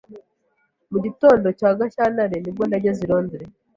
Mu gitondo cya Gashyantare ni bwo nageze i Londres.